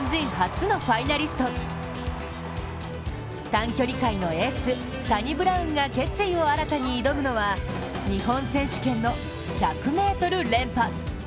短距離界のエース、サニブラウンが決意を新たに挑むのは日本選手権の１００ｍ連覇。